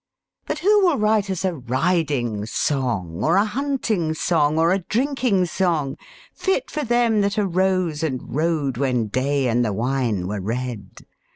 But who will write us a riding song, Or a hunting song or a drinking song, Fit for them that arose and rode When day and the wine were red?